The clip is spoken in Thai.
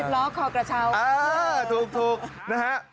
๑๐ล้อคอกระเช้าอ่าถูกนะฮะ